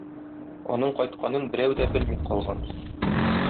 Аның кайтканын берәү дә белми калган.